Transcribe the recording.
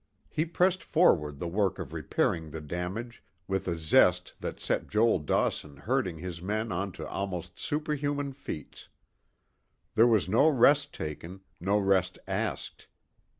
He pressed forward the work of repairing the damage, with a zest that set Joel Dawson herding his men on to almost superhuman feats. There was no rest taken, no rest asked.